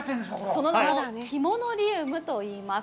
その名もキモノリウムといいます。